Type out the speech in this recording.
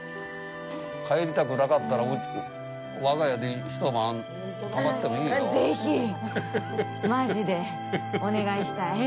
帰りたくなかったら我が家で一晩泊まってもいいよ。